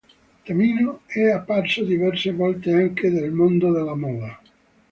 Tamino è apparso diverse volte anche del mondo della moda.